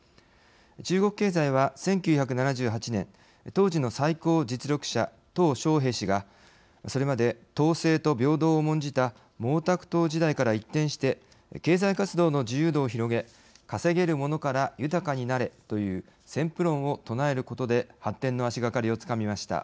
中国経済は、１９７８年当時の最高実力者、とう小平氏がそれまで統制と平等を重んじた毛沢東時代から一転して経済活動の自由度を広げ稼げるものから豊かになれという先富論を唱えることで発展の足がかりをつかみました。